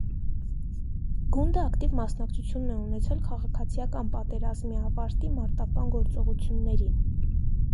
Գունդը ակտիվ մասնակցություն է ունեցել քաղաքացիական պատերազմի ավարտի մարտական գործողություններին։